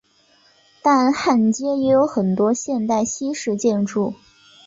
但汉街也有很多现代西式的建筑。